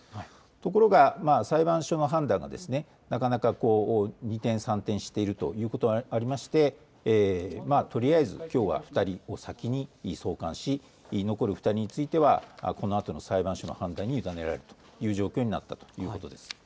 ところが、裁判所の判断がなかなか二転三転しているということがありましてとりあえず２人を先に送還し残りの１人については裁判所の判断に委ねられるという状況になっています。